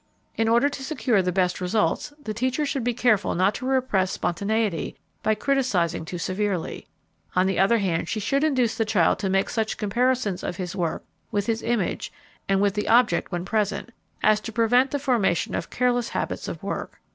In order to secure the best results the teacher should be careful not to repress spontaneity by criticising too severely; on the other hand she should induce the child to make such comparisons of his work with his image and with the object when present, as to prevent the formation of careless habits of work.